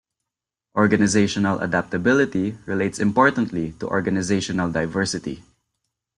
Organizational adaptability relates importantly to organizational diversity.